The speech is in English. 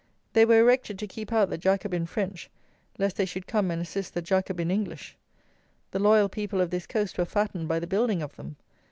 They were erected to keep out the Jacobin French, lest they should come and assist the Jacobin English. The loyal people of this coast were fattened by the building of them.